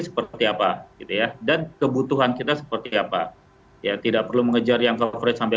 seperti apa gitu ya dan kebutuhan kita seperti apa ya tidak perlu mengejar yang coverage sampai